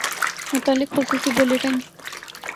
متعلق خصوصی بلیٹن